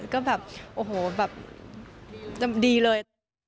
ก็แบบโอ้โหแบบจะดีเลย